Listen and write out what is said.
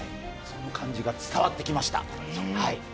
その感じが伝わってきました。